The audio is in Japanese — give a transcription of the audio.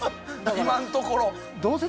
今んところ。